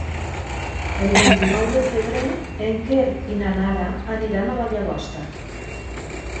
El vint-i-nou de febrer en Quer i na Nara aniran a la Llagosta.